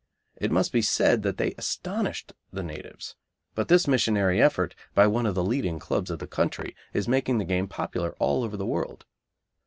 It must be said that they astonished the natives, but this missionary effort by one of the leading clubs in the country is making the game popular all over the world.